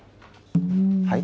はい？